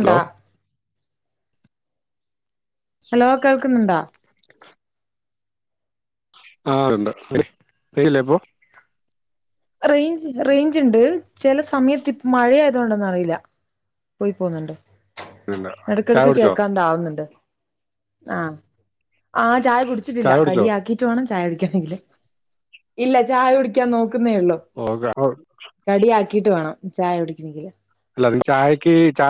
Hello hello കേൾക്കുന്നുണ്ടോ ആഅ ണ്ട് [unintelligible] ഇപ്പോ റേയ്ഞ്ച് റേയ്ഞ്ചുണ്ട് ചില സമയത്ത് ഇപ്പ മഴ ആയത കൊണ്ടന്നറിയില്ല പോയി പോവുന്നുണ്ട് ഉണ്ട് ചായ എടക്കടക്ക് കുടിച്ചോ കേക്കാണ്ടാവുന്നുണ്ട് ആ ആ ചായ കുടിച്ചിട്ടില്ല ചായ കുടിച്ചോ കടിയാക്കി ട്ടുവേണം ചായ കുടിക്കനെങ്കില് ഇല്ല ചായ കുടിക്കാൻ നോക്കുന്നേള്ളൂ ഓഗ [unintelligible] കടിയാക്കിട്ട് വേണം ചായ കുടിക്കണെങ്കില് അല്ലനീ ചായക്ക് ചാ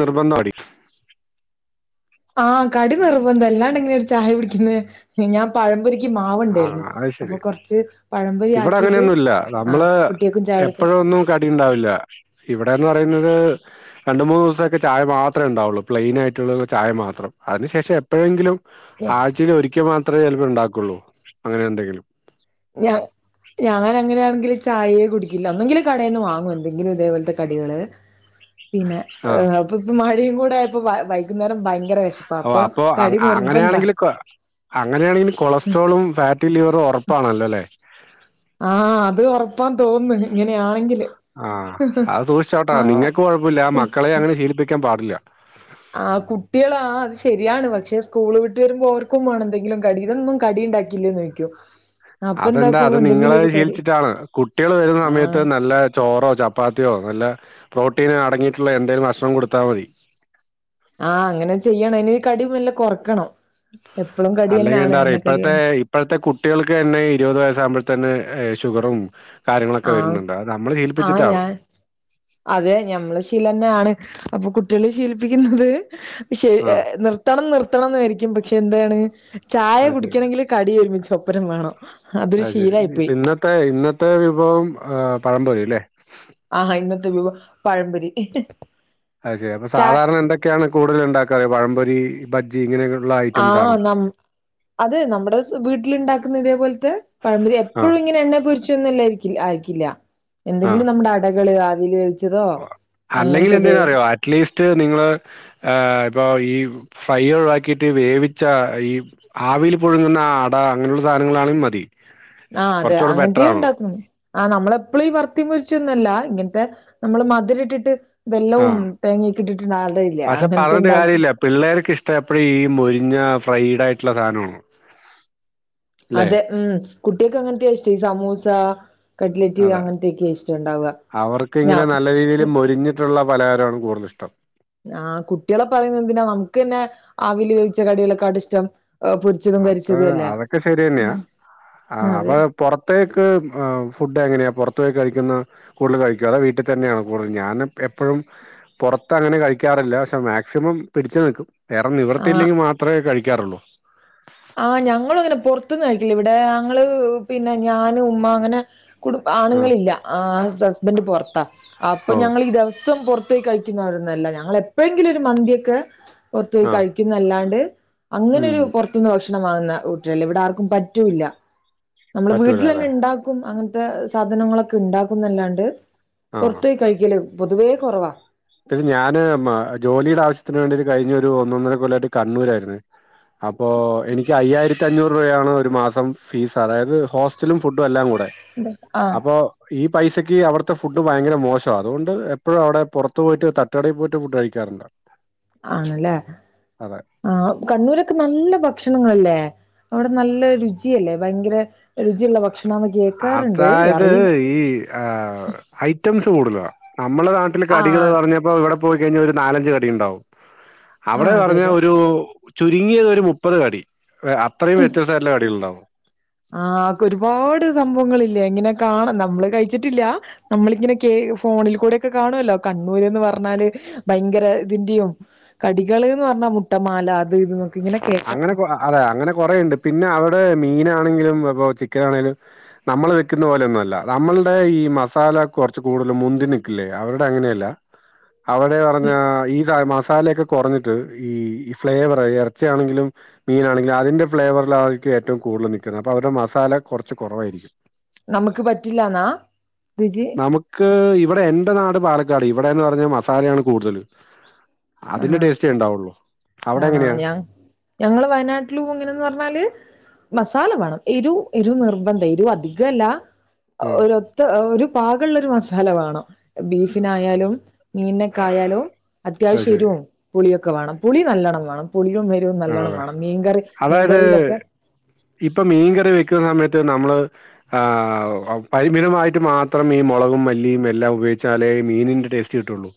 നിർബന്ധം മാകടി ആ കടി നിർബന്ധ അല്ലാണ്ട് എങ്ങനാ ഒരു ചായ കുടിക്കുന്ന ഞാൻ പഴംപൊ ആ മാവുണ്ടായിരുന്നു അത് അപ്പൊ ശരി കൊറച്ച് പഴംപൊരി ഇവിടെ ആക്കിട്ട് അങ്ങനെയൊന്നുമില്ല ആ കുട്ടിയക്കും ചായകൊടുത്തു കടിയുണ്ടാവില്ല ഇവിടെന്ന് പറയുന്നത് രണ്ട മൂന്ന് ദിവസായിട്ട് ചായ മാത്രെണ്ടാവുള്ളൂ പ്ലെയിനായിട്ടുള്ള ചായ മാത്രം അയിനു ശേഷം എപ്പഴെങ്കിലും ആഴ്ചയിലൊരിക്കെ മാത്രേ ചിലപ്പ ണ്ടാക്കുള്ളൂ അങ്ങനെന്തെങ്കിലും ഞാ ഞാനങ്ങനാണെങ്കിൽ ചായയെ കുടിക്കില്ല ഒന്നെങ്കില് കടയിന്ന് വാങ്ങും എന്തെങ്കിലും ഇതേപോലത്തെ കടികള് [inaudible] പിന്നെ ആ അപ്പൊ ഇപ്പ മഴയും കൂടെയപ്പൊ ഭയ അന്നരം ഭയങ്കര വിശപ്പാ ഓ അപ്പൊ കടി നിർബന്ധ [unintelligible] അങ്ങനെയാണെങ്കില് കൊളസ്ട്രോളും ഫാറ്റി ലിവറും ഉറപ്പാണല്ലോല്ലേ ആ അത് ഉറപ്പാന്ന് തോന്നന്ന് ഇങ്ങനെയാണെങ്കില് ആ അത് സൂക്ഷിച്ചോട്ടാ ആഹ് നിങ്ങക്ക് കൊഴപ്പില്ല മക്കളെങ്ങനെ ശീലിപ്പിക്കാൻ പാടില്ല. ആ കുട്യള് ആഅതുശെരിയാണ് പക്ഷെ സ്കൂള് വിട്ട് വരുമ്പോ ഓർക്കും വേണം എന്തെങ്കിലും കടി തൊന്നും കടിയ ഉണ്ടാക്കി ല്ലേന്ന് ചോദിക്കും അപ്പൊ അതെന്താ അത് എന്താക്കും എന്തെങ്കിലും നിങ്ങളത് ഒരു കടി ശീലിച്ചിട്ടാണ് കുട്ട്യാള് വരുന്ന ആഹ് സമയത്ത് നല്ല ചോറോ ചപ്പാത്തിയോ നല്ല പ്രോട്ടീൻ അടങ്ങിയിട്ടുള്ള എന്തേലും ഭക്ഷണം കൊടുത്താ മതി ആ. അങ്ങനെ ചെയ്യണം ഇനി കടി നല്ല കൊറക്കണം എപ്പളും കടി തന്നാണ് എണ്ണക്കടിയാണ് ഇപ്വത്തെ കുട്ടിൾക്ക് തന്നെ ഇരുപത് വയസ്സാകുമ്പോത്തന്നെ ഷുഗറും കാര്യങ്ങളൊക്കെ ആഹ് വരുന്നുണ്ട് അത് നമ്മള് ആഹ് ശിലിപ്പിച്ചിട്ടാവും അതെ ഞമ്മള ശീലന്നാണ് അപ്പൊ കുട്ടിളെ ശീലിപ്പിക്കുന്നത് ശ്ശെ ആഹ് നിർത്തണം നിർത്തണം വിചാരിക്കും പക്ഷെന്താണ് ചായ അത് ശരി. കുടിക്കണങ്കില് കടിയരുമിച്ച ഒപ്പരം വേണം അതൊരു ശീലായി പോയി തെ ഇന്നത്തെ വിഭവം ആ പഴംപൊരിലെ ആ ഇന്നത്തെ വിഭവം പഴംപൊരി അത് ശരി അപ്പൊ ചാ സാധാരണന്തൊക്കെയാണ് കൂടുതലുണ്ടാക്കാറ് പഴംപൊരി ബജി ഇങ്ങനെക്കൊള്ളാ ആ നമ് അത് നമ്മടെ വീട്ടിലുണ്ടാക്കുന്നിതേ പോലത്തെ പഴംപൊരി എപ്പോഴും ആഹ് ഇങ്ങനെ എണ്ണെ പൊരിച്ച് [unintelligible] ആയിരിക്കില്ല എന്തെങ്കിലും നമ്മുടെ അടകള് ആവിലേവിച്ചതോ അല്ലെങ്കില് എന്തിണന്നറിയോ അറ്റ്ലീസ്റ്റ് നിങ്ങള് ഇപ്പൊ ഈ ഫൈ ഒഴവാക്കിട്ട് വേവിച്ച ഈ ആവിയിൽ പുഴങ്ങുന്ന അട അങ്ങനെയുള്ള സാധനങ്ങളാണെങ്കിലും മതി ആ അതെ കുറച്ചുകൂടെ ബെറ്റർ അങ്ങനത്തെയും ആണ് ഉണ്ടാകും ആ നമ്മളെപ്പളി വർത്തപൊരിച്ചൊന്നല്ല ഇങ്ങനത്തെ നമ്മള് മധുരട്ടിട്ട് ആ വെല്ലവും തേങ്ങക്ക ഇട്ടിട്ടുള്ള അടയില്ലേ പക്ഷെ അങ്ങനത്തെ പറഞ്ഞിട്ട് ഇണ്ടാക്കും കാര്യമില്ല പിള്ളേർക്ക് ഇഷ്ടം എപ്പഴി ഈ മുരിഞ്ഞ ഫ്രൈഡ് ആയിട്ടുള്ള സാനാണ് അതെ ഉം കുട്ടിൾക്ക് അങ്ങനത്തെയ ഇഷ്ടം ഈ സമൂസ കട്ട്ലിറ്റ് അതെ അങ്ങനത്തെയൊക്കെയ ഇഷ്ടം ഇണ്ടാവ അവർക്ക് ഞ ഇങ്ങനെ നല്ല രീതില് മൊരിഞ്ഞ് ട്ടുള്ള പലഹാരാണ് കൂടുതലിഷ്ട്ടം. ആ കുട്ട്യേളെ പറയുന്നന്തിനാ നമുക്ക്ന്നെ ആവില് വേവിച്ച കടികളേകാളിഷ്ടം ആ പൊരി അത് അതൊക്കെ ശരിയന്നെയ ആ അപ്പൊ അതെ പൊറത്തേക്ക് ആഹ് ഫുഡ് എങ്ങനെയാ പൊറത്ത് പോയി കഴിക്കുന്ന കൂടുതല് കഴിക്ക അതൊ വീട്ടി തന്നെണോ കൂടുതലും ഞാന് എപ്പഴും പൊറത്ത് അങ്ങനെ കഴിക്കാറില്ല പക്ഷേ മാക്സിമം പിടിച്ചു നിൽക്കും വേറെ ആ നിവൃത്തില്ലെങ്കിമാത്രെ കഴിക്കാറുള്ളൂ. ആഹ് ഞങ്ങളു അങ്ങനെ പൊറത്ത്ന്ന് കഴിക്കില്ല ഇവിടെ ഞങ്ങള് പിന്നെ ഞാനും ഉമ്മ അങ്ങനെ കുടും ആ ആണ്ങ്ങളില്ല ആ ഹസ്ബന്റ് പൊറത്താ അപ്പൊ ഓ ഞങ്ങള് ഈ ദെവസം പൊർ ത്തോയി കഴിക്കുന്നോരൊന്നുംല്ല ഞങ്ങള് എപ്പഴെങ്കിലും ഒരു മന്തിക്കെ പൊറത്തുപോയി ആ കഴിക്ക്ന്നല്ലാണ്ട് അങ്ങനെ ഉം ഒരു പൊറത്തുന്ന് ഭക്ഷണം വാങ്ങുന്ന ഉട്ടരല്ല ഇവടെ ആർക്കും പറ്റൂല്ല. നമ്മള് പറ്റൂല അല്ലേ വീട്ട്ല്ന്നെണ്ടാക്കും അങ്ങൻത്തെ സാധനങ്ങളൊക്കെണ്ടാക്കുന്നല്ലാണ്ട് ആ പൊർത്തേക്ക് കഴിക്കല് പൊതുവേ കൊറവാ. പിന്നെ ഞാന് മ ജോലിടെ ആവശ്യത്തിന് വേണ്ടിട്ട് കഴിഞ്ഞൊരു ഒന്നൊന്നര കൊല്ലായിട്ട് കണ്ണൂരായിരുന്ന്. അപ്പോ എനിക്ക് അയ്യായിര ത്തി അഞ്ഞൂറ് രൂപയാണ് ഒരു മാസം ഫീസ് അതായത് ഹോസ്റ്റലും ഫുഡും എല്ലാം കൂടെ ആഹ് അപ്പോ ഈ പൈസക്ക് അവടത്തെ ഫുഡ് ഭയങ്കര മോശ അതുകൊണ്ട് എപ്പഴും അവടെ പൊറ ത്ത് പോയിട്ട് തട്ട്ടെ പോയിട്ട് ഫുഡ് കഴിക്കാറ്ണ്ട് ആണല്ലേ ആഹ് കണ്ണൂരൊക്കെ നല്ല ഭക്ഷണങ്ങളല്ലേ അവിടെ നല്ല രുചിയല്ലേ ഭയങ്കര രുചിയുള്ള ഭക്ഷണാന്ന് കേക്കാറുണ്ട് അതായത് അറിയില്ല ഈ ആഹ് ഐറ്റംസ് കൂടുതല നമ്മളെ നാട്ടില് കടികൾ ആഹ് പറഞ്ഞ ഇപ്പൊ ഇവിടെ പോയിക്കഴിഞ ഒരു നാലഞ്ച് കടിണ്ടാവും ആഹ് അവടെ അതെ പറഞ്ഞ അതെ ഒരു ചുരുങ്ങിയതൊരു മുപ്പത് കടി അത്രയും വ്യത്യസ്തയിട്ട്ള്ള കടികൾണ്ടാവും ആഹ് ക്കെ ഒരുപാട് സംഭവങ്ങളില്ലേ ഇങ്ങനെ കാണാ നമ്മള് കയിച്ചിട്ടില്ല നമ്മളിങ്ങനെ കേ ഫോണിൽ കൂടെക്കെ കാണുല്ലോ കണ്ണൂര്ന്ന് പറണ്ണാല് ഏഹ് ഭയങ്കര ഇതിന്റേം കടികള്ന്ന് പർഞ്ഞാ മുട്ടമാല അത് ഇത് നോ അങ്ങനെ കൊ ആ അതെ അങ്ങനെ കൊറെണ്ട് പിന്നെ അവടെ മീനാണെങ്കിലും പ്പൊ ചിക്കനാണെലും നമ്മള് വെക്കുന്ന പോലോന്നുംല്ല നമ്മൾടെ ഈ മസാല കൊറച്ച് കൂടുതൽ മുന്തി നിക്കില്ലേ അവര്ടെ അങ്ങനെല്ല അവടെ പറഞ്ഞ ഈത മസാലക്കെ കൊറഞ്ഞിട്ട് ഈ ഫ്ലേവർ എറ ച്ചിയാണെങ്കിലും മീനാണെങ്കില് അതിന്റെ ഫ്ലേവർല്ല് ആയിരിക്കും ഏറ്റവും കൂടുതൽ നിക്കുന്ന അപ്പ അവര്ടെ മസാല കൊറച്ച് കൊറവായിരിക്കും. നമ്ക്ക് പറ്റില്ലാന്നാ രുചി നമുക്ക് ഇവടെ എന്റെ നാട് പാലക്കാട് ഇവടെന്ന് പറഞ്ഞ മസാലയാണ് കൂടുതൽ. അതിന്റെ ആഹ് ടേസ്റ്റേണ്ടാവുള്ളു അവടെ ആണോ എങ്ങനെയാ? ഞാ ഞങ്ങള് വയനാട്ടിലുങ്ങനെന്ന് പറഞ്ഞാല് മസാല വേണം എരു എരു നിർബന്ധ എരു അധികല്ല ആ ഒരു ഒരു പാകള്ളൊര് മസാല വേണം ബീഫിനായാലും മീനിനൊക്കായാലു അത് ശരി അത്യാവശ്യംരും പുളിയൊക്കെ വേണം പുളി നല്ലണം വേണം പുളിയും വെ എരു നല്ലണ്ണം ആണല്ലേ വേണം മീൻകറി അതായത് മീൻകറിലൊക്കെ ഇപ്പൊ മീൻ കറി വെക്കുന്ന സമയത്ത് നമ്മള് ആ പരിമിതമായിറ്റ് മാത്രം ഈ മുളകും മല്ലിം എല്ലാം ഉപയോച്ചാലേ ഇ മീനിന്റെ ടേസ്റ്റ് കിട്ടുള്ളൂ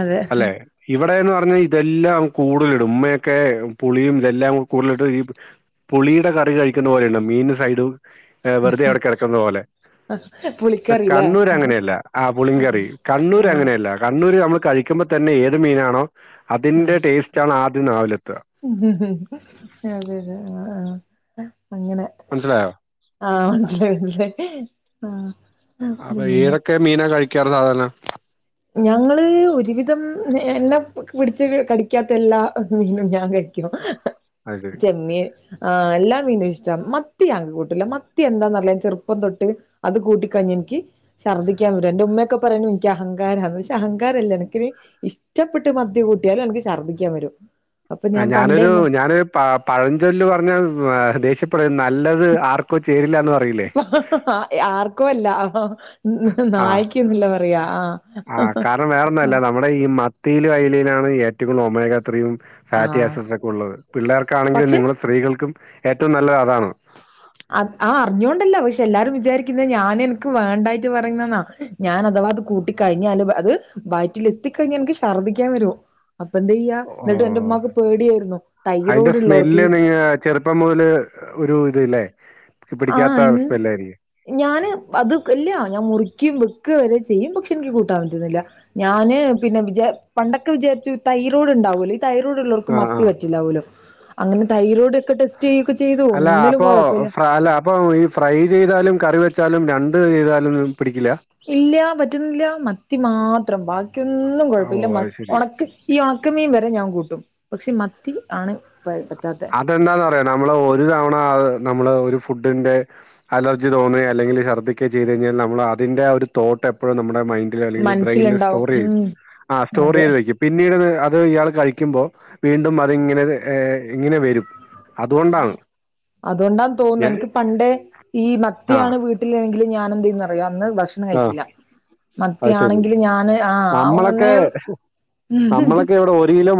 അതെ അല്ലെ? ഇവിടെന്ന് പറഞ്ഞാ ഇതെല്ലാം കൂടതലിടും ഉമ്മയൊക്കെ പുളിയും ഇതെല്ലാം കൂടുതലിട്ട് ഈ പുളിടെ കറി കഴിക്കുന്ന പോലെല്ലാ മീൻ സൈഡും ഏ വെറുതെ അവിടെ കെടക്കുന്ന പോലെ. പക്ഷെ പുളിക്കറില്ലേ കണ്ണൂർ അങ്ങനെയല്ല ആ പുളിങ്കറി ആഹ് കണ്ണൂർ ആഹ് അങ്ങനെയല്ല കണ്ണൂര് അമ്മള് കഴിക്കുമ്പോ തന്നെ ഏത് മീനാണോ അതിന്റെ ടേസ്റ്റ് ആണ് ആദ്യം നാവിലെത്ത മ് ഹ് ഹ് അതെ തെ ആ ആ അങ്ങനെ മൻസിലായോ? ആഹ് മൻസിലായി മൻസിലായി ഹ് ആഹ അപ്പൊ ഏതൊക്കെ മീനാ കഴിക്കാറ് സാധാരണ? ഞങ്ങള് ഒര് വിധം എല്ലം പിടിച്ച് കടിക്കാത്ത എല്ലാ മീനും ഞാൻ കായി അത് ശരി. [unintelligible] ചെമ്മീ ആ എല്ലാം മീനും ഇഷ്ടം മത്തി ഞാൻ കൂട്ടില്ല മത്തി എന്താന്ന്റിയില്ല ചെറുപ്പം തൊട്ട് അത് കൂട്ടിക്കഴിഞ്ഞ എനിക്ക്ഛർദിക്കാൻ വരും എന്റെ ഉമ്മയൊക്കെ പറിണു എനിക്ക് അഹ അഹങ്കാരാന്ന് പക്ഷെ അഹങ്കാരന്ന്അഹങ്കാരല്ല എനക്ക് ഇഷ്ടപ്പെട്ട് മത്തി കൂട്ടിയാലും എനിക്ക് ഛദ്ദിക്കാൻ വരും. അപ്പൊ ആ ഞാൻ പണ്ടേ ഞാനൊരു ഞാന് അ പഴഞ്ചൊല്ല്പറഞ്ഞാൽ ദേഷ്യപ്പെട നല്ലത് ആർക്കോ ചേരില്ല എന്ന് പറയില്ല ആർക്കോ അല്ല ഉ ആഹ് നായി്ക്കുന്നില്ല പറയാ ആ ആഹ് കാരണം വേറൊന്നുമല്ല നമ്മുടെ ഈ മത്തിയില അയിലയിലാണ് ഏറ്റവുംഒമേഗ ത്രിയും ആഹ് ഫാറ്റിാസസൊക്കെ ഉള്ളത് പിള്ളേർക്കാണെങ്കിൽ പക്ഷെ നിങ്ങൾ സ്ത്രീകൾക്കും ഏറ്റവും നല്ലത് അതാണ്. അ ആ അറിഞ്ഞോണ്ടല്ല പക്ഷെ എല്ലാരും വിചാരിക്കുന്ന ഞാൻ എനക്ക് വേണ്ടായിട്ട് പറയുന്നന്നാ. ഞാൻ അഥവാ അത് കൂട്ട കഴിഞ്ഞാല് അത് വയറ്റിൽ എത്തിക്കഴിഞ്ഞ എനിക്ക് ശർദ്ദിക്കാൻ വരും. അപ്പൊ എന്താ ചെയ്യ എന്നിട്ട് എന്റെ ഓഹ് ഉമ്മാക്ക് പേടിയായിരുന്നു. അതിന്റെ തൈറോടുള്ളോർക്ക് സ്മെല്ല് നിങ്ങ ചെറുപ്പം മുതല് ഒരു ഇത് ലെ ആഹ ഇന് ഞാന് അത് ഇല്ല ഞാൻ മുറിക്കും വെക്ക വരെ ചെയ്യും. പക്ഷെ എനിക്ക് കൂട്ടാൻ പറ്റുന്നില്ല. ഞാന് പിന്നെ വിച പണ്ടൊക്കെ വിചാരിച്ചു തൈറോയ്ഡ് ഉണ്ടാവൂലെ തൈറോയ്ഡ്ള്ളവർക്ക് ആഹ് മത്തി ആഹ് പറ്റൂല പോലുംഅങ്ങനെ തൈറോയ്ഡ് ഒക്കെ ടെസ്റ്റ് യ്യെക്കെ അല്ല അപ്പൊ [unintelligible] അപ്പൊ ഈ ഫ്രൈ ചെയ്താലും, കറി വെച്ചാലും, രണ്ട് ചെയ്താലും പിടിക്കില്ല? ഇല്ല പറ്റുന്നില്ല മത്തി മാത്രം ബാക്കിയൊന്നും കെഴപ്പില്ല ഓഹ് മ അത് ശരി ഉണക്ക ഈ ഉണക്കമീൻ വരെ ഞാൻ കൂട്ടും പക്ഷെ മത്തി ആണ് പറ്റാത്ത ഇതെന്താന്ന്റയാ നമ്മള് ഒരു തവണ നമ്മള് ഒരു ഫുഡിൻന്റെ അലർജി തേന്നെ അല്ലെങ്കിൽ ഛർദിക്കൊ ചെയ്ത് കഴിഞ്ഞാൽ നമ്മൾ അതിൻ്റെ ഒരു തോട്ട് എപ്പോഴും നമ്മുടെ മൈൻഡ് അല്ലെങ്കിൽ ബ്രെയിനിൽ മനസ്സിലുണ്ടാവും സ്റ്റോർ ചെയ്യും ഉം ആ സ്റ്റോർ അതെ ചെയ്ത് വെക്കും. പിന്നീട് അത് അത് ഇയാൾ കഴിക്കുമ്പോ വീണ്ടും അതിങ്ങനെ ഇങ്ങനെ വരും അതുകൊണ്ടാണ് അതുകൊണ്ടാണ് തോന്നുന്നു ഞാൻ എനിക്ക് പണ്ടേ ഈ ആ മത്തിയാണ് വീ [unintelligible] ഞാൻ എന്ത യ്ന്നറിയോ അന്ന് ഭക്ഷണം ആ കഴിക്കില്ല. അത് ശരി മത്തിയാണെങ്കിൽ ഞാന് ആ നമ്മളൊക്കെ നമ്മളൊക്കെ [unintelligible] ഇവിടെ ഒരു കിലോ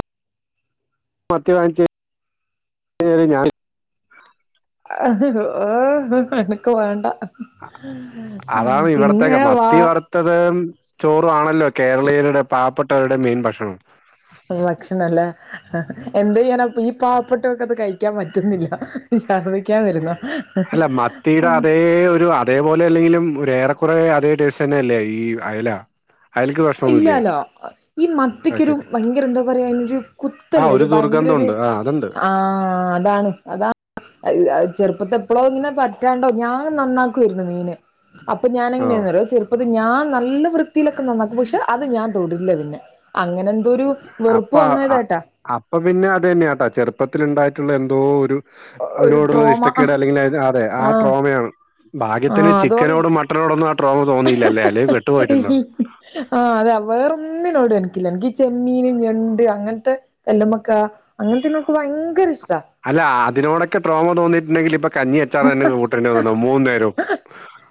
മത്തി വാങ്ങിച്ച [unintelligible] അഹ് ഓഹ് എനക്ക് വേണ്ട പിന്നെ വാ മറ്റത് ചോറു ആണല്ലോ കേരളീയരുടെ പാവപ്പെട്ടവരുടെ മെയിൻ ഭക്ഷണം. ഭക്ഷണം അല്ലേ എന്തയ്യാന ഈ പാവപ്പട്ടൊൾക്ക് അത് കഴിക്കാൻ പറ്റുന്നില്ല ശർദ്ദിക്കാൻ വരുന്നോ? അല്ല മത്തിയുടെ അതേ ഒരു അതേപോലെ അല്ലെങ്കിലും ഒരു ഏറെക്കറെ അതേ ടേസ്സ് തന്നെ അല്ലേ ഈ അയല? അയലക്ക് പ്രശ്നമൊന്നുമില്ലേ? ഇല്ലല്ലോ ഈ അത് മത്തിക്കൊരു ശരി. ഭയങ്കര എന്താ പറയാ അയിനെരു ആ കുത്തല്ല ഒരു ഭയങ്കര ഒരു ദുർഗന്ധമുണ്ട്. ആ അതുണ്ട്. ആ അതാണ് അതാ അഹ് അഹ് ചെറുപ്പത്തെ എപ്പളെ ഇങ്ങനെ പറ്റാണ്ടോ ഞാൻ നന്നാക്കുരുന്നു മീന് അപ്പൊ ഞാൻ ഓ! എങ്ങനെന്നറിയോ ചെറുപ്പത് ഞാൻ നല്ല വൃത്തിയിലൊക്കെ നന്ന പക്ഷെ അത് ഞാൻ തൊടില്ല പിന്നെ അങ്ങനെ ഒരു അപ്പ വെറുപ്പ് വന്നതാട്ടാ അപ്പ പിന്നെ അത് തന്നെയാട്ടാ ചെറുപ്പത്തിൽ ഉണ്ടായിട്ടുള്ള എന്തോ ഒരു ഒരു അതിനോടുള്ളത് ട്രോമ ഇഷ്ടക്കേട് അല്ലെങ്കിൽ അതെ ആ ആഹ് ട്രോമയാണ് ഭാഗ്യത്തിന് ആഹ് അതുകൊണ്ട് ചിക്കനോടും മട്ടനോടൊന്നും ആ ട്രോമ തോന്നി യില്ലേ അല്ലേ അല്ലേ പെട്ടു പോയിട്ടുണ്ടാവും ആഹ അതെ വേറൊന്നിനോടും എനിക്കില്ല എനിക്ക് ചെമ്മീന് ഞണ്ട് അങ്ങനത്തെ കല്ലമ്മക്ക അങ്ങനത്തെ നമക്ക് ഭയങ്കര ഇഷ്ട അല്ല അതിനോടൊക്കെ ട്രോമ തോന്നിട്ടുണ്ടെങ്കിൽ ഇപ്പ കഞ്ഞിയ ച്ചാറ് തന്നെ കൂട്ടേണ്ടി വന്നേന മൂന്നു നേരം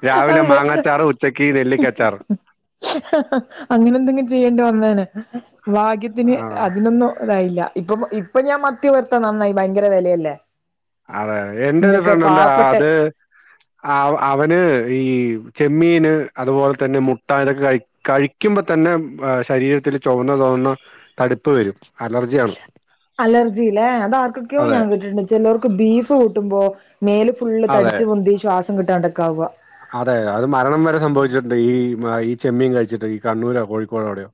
രാവിലെ അതെ മാങ്ങാച്ചാറ് ഉച്ചക്ക് നെല്ലിക്കച്ചാറ് [unintelligible] അങ്ങനെ എന്തെങ്കി ചെയ്യേണ്ടി വന്നേനെ ഭാഗ്യത്തിന് ആ. അതിനൊന്നും ഇതായില്ല ഇപ്പ ഇപ്പൊ ഞാൻ മത്തി വർത്ത നന്നായി ഭയങ്കര വെ ലയല്ലേ അതെഎന്റൊരു ഫ്രണ്ടുണ്ട് അത് ആഹ് അവന് ഈ ചെമ്മീന് അതുപോലെ തന്നെ മുട്ട ഇതൊക്കെ കഴി കഴിക്കുമ്പോ തന്നെ ശരീരത്തിൽ ചുവന്ന തിവർന്ന തടുപ്പ് വരും അലർജിയാണ് അലർജില്ലേ അതാർക്കൊക്കെയോ അതെ ഞാൻ കേിട്ടിട്ടുണ്ട് ചിലോ ർക്ക് ബീഫ് കൂട്ടുമ്പോ മേല് ഫുള്ള് തടിച്ച് പൊന്തി ശ്വാസം കിട്ടാണ്ടൊക്കെയാവുക അതെതെ അത് മരണം വരെ സംഭവിച്ചിട്ടു ണ്ട് ഈ ഈ ചെമ്മീൻ കഴിച്ചിട്ട് ഈ കണ്ണൂരോ കോഴിക്കോടോ എ വിടെയോ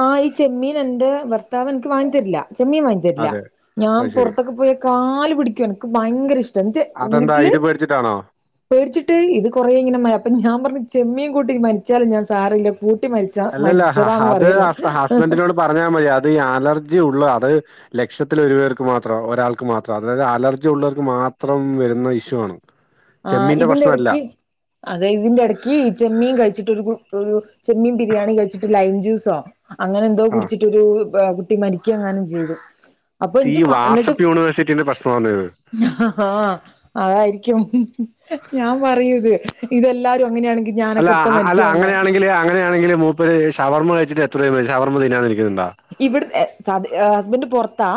ആഹ് ഇ ചമ്മീൻ എന്റെ ഭർത്താവ് എനിക്ക് വാങ്ങി തരില്ല ചെമ്മീൻ വാങ്ങി ത രില്ല അതെ ഞാൻ അത് ശരി പുറത്തൊക്കെ പോയ കാല് പിടിക്കും എനിക്ക് ഭയങ്കര ഇഷ്ട എന്നിട്ട് അതെന്താ വീട്ടില് ഇത് പേടിച്ചിട്ടാണോ പേടിച്ചിട്ട് ഇത് കുറെ ഇങ്ങനെ ആ യി അപ്പൊ ഞാൻ പറഞ്ഞു ചെമ്മീൻ കൂട്ടി മരിച്ചാലും ഞാൻ സാരല്ല കൂട്ടി മരിച്ച മരിച്ചതാന്ന് പറയും ഹസ്ബന്റി നോട് പറഞ്ഞാൽ മതി അത് അലർജി ഉള്ളഅത് ലക്ഷത്തില ഒരു പേർക്ക് മാത്രം ഒരാൾക്ക് മാത്രം അതായത് അലർജി ഉള്ളവർക്ക് മാത്രം വരുന്ന ഇഷ്യൂ ആണ് ആഹ് ചെമ്മീന്റെ ഇതിന്റെ പ്രശ്നമല്ല ഇടയ്ക്ക് അതെ ഇതിന്റെ ഇടയ്ക്ക് ചെമ്മീൻ കഴിച്ചിട്ട് ഒരു ഒരു ചെമ്മീൻ ബിരിയാണി കഴിച്ചിട്ട് ലൈം ജ്യൂസോ അങ്ങനെ എന്തോ ആ കുടിച്ചിട്ടൊ രു കുട്ടി മരിക്കുങ്ങാനും ചെയ്തു അപ്പൊ ഈ എനിക്ക് മ- എന്നിട്ട് വാട്സ്ആപ്പ്യുണിവേഴ്സിറ്റിയുടെ പ്രശ്നാണ് ഇത് ആഹ് ആഹ അതായിരിക്കും ഞാൻ പറയൂത് ഇതെല്ലാരും അങ്ങനെയാ ണെങ്കിൽ ഞാനൊക്കെപ്പൊ മരിചൊണ്ട യെങ്കില് അങ്ങനെയാണെങ്കിൽ മൂപ്പര് ശവർമ്മ കഴിച്ചിട്ട് എത്രയോപേര് ശവർമ തിന്നാ തിരിക്കുന്നുണ്ടോ ഇവിടെ ഹസ്ബൻഡറ് പുറത്താ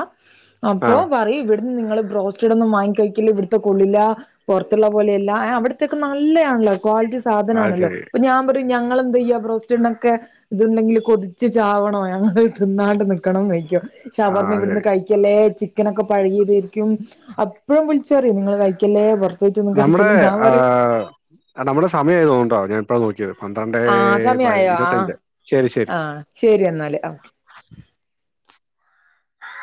ആ അപ്പൊ പറയും ഇവിടെ നിങ്ങള് ബ്രോസ്റ്റഡ് ഒന്നും വാങ്ങിക്ക ഴിക്കല് ഇവിടത്തെ കൊള്ളില്ല പൊ റത്തുള്ള പോലെയല്ല അവിടത്തേക്കെ നല്ലയാ ണല്ലോ ക്വാളിറ്റി അത് സാധനമാണല്ലോ ശരി പ്പൊ ഞാൻ ഞാമ്പ റയും ഞങ്ങളെന്തെ യ ബ്രോസ്റ്റണൊക്കെ ഇതണ്ടേങ്കിൽ കൊതിച്ച് ചാവണോ ഞങ്ങ രുന്നാണ്ട് നിക്കണംന്ന് കഴിക്കും ഷ ആ വർമ്മ അത് ഇവിടുന്ന് ശരി കഴിക്കല്ലേ ചിക്കനൊക്കെ പഴകിയ അപ്പഴും വിളിച്ചറിയും നിങ്ങൾ കഴിക്കല്ലേപൊ റ നമ്മുടെ ആഹ് നമ്മുടെ സമയം ആയൊന്ന് തോന്നണു ഞാൻ ഇപ്പൊഴാ നോക്കിയത് പന്ത്രണ്ടേ ആ സമയായോ ആ ഇരുപത്തഞ്ച് ശരി ശരി ആ ശരി എന്നാല് ആഹ്